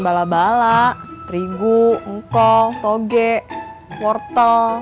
bala bala terigu engkong toge wortel